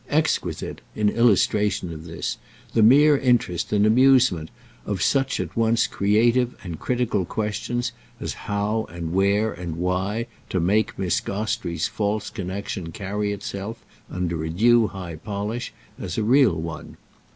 Exquisite—in illustration of this—the mere interest and amusement of such at once "creative" and critical questions as how and where and why to make Miss Gostrey's false connexion carry itself, under a due high polish, as a real one.